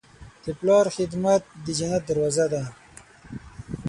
د پلار خدمت د جنت دروازه ده.